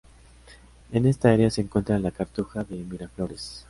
En esta área se encuentra la Cartuja de Miraflores.